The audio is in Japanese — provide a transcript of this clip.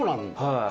はい。